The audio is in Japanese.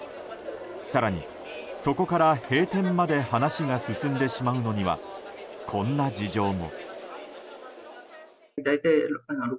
更に、そこから閉店まで話が進んでしまうのにはこんな事情も。